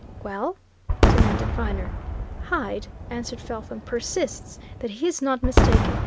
"Well?" demanded Viner. "Hyde," answered Felpham, "persists that he's not mistaken.